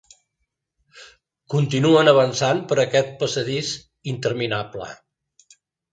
Continuen avançant per aquest passadís interminable.